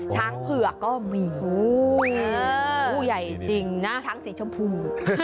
เผือกก็มีผู้ใหญ่จริงนะช้างสีชมพู